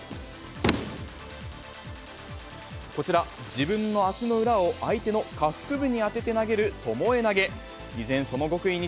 こちら、自分の足の裏を相手の下腹部に当てて投げるともえ投げ。